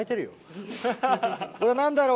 「何だろう？」